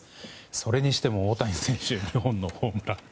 それにしても大谷選手２本のホームラン！